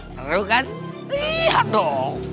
seru kan lihat dong